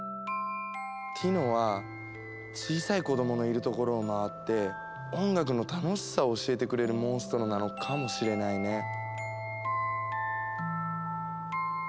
ティノは小さい子どものいるところを回って音楽の楽しさを教えてくれるモンストロなのかもしれないね。